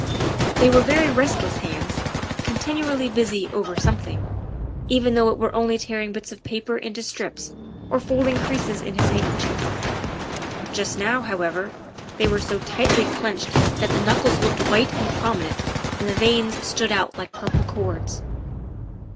They were very rest less hands, continually busy over something, even though it were only tearing bits of paper into strips or folding creases in his handkerchief. Just now, however, they were so tightly clinched that the knuckles looked white and prominent and the veins stood out like purple cords.